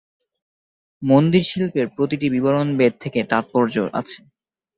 মন্দির শিল্পের প্রতিটি বিবরণ বেদ থেকে তাৎপর্য আছে।